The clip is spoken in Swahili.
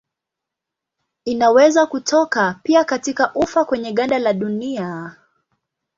Inaweza kutoka pia katika ufa kwenye ganda la dunia.